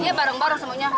iya bareng bareng semuanya